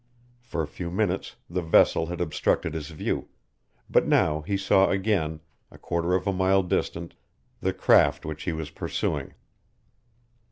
For a few minutes the vessel had obstructed his view, but now he saw again, a quarter of a mile distant, the craft which he was pursuing.